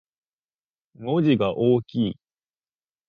文字が大きい